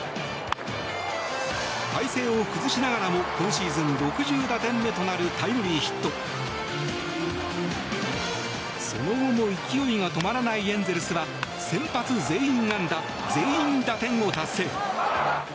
体勢を崩しながらも今シーズン６０打点目となるタイムリーヒット。その後も勢いが止まらないエンゼルスは先発全員安打、全員打点を達成。